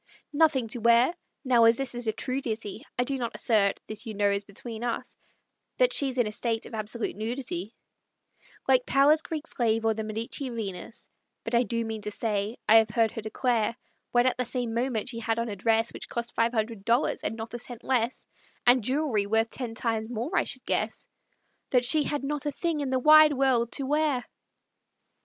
Nothing to wear! Now, as this is a true ditty, I do not assert this, you know, is between us That she's in a state of absolute nudity, Like Powers's Greek Slave or the Medici Venus; But I do mean to say, I have heard her declare, When at the same moment she had on a dress Which cost five hundred dollars, and not a cent less, And jewelry worth ten times more, I should guess, That she had not a thing in the wide world to wear!